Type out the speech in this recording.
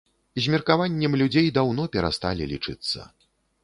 З меркаваннем людзей даўно перасталі лічыцца.